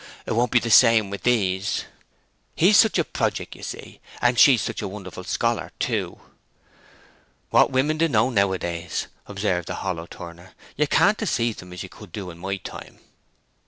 It won't be the same with these." "No. He is such a projick, you see. And she is a wonderful scholar too!" "What women do know nowadays!" observed the hollow turner. "You can't deceive 'em as you could in my time."